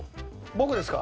僕ですか？